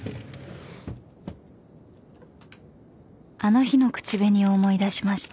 ［あの日の口紅を思い出しました］